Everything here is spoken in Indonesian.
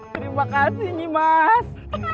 terima kasih nih mas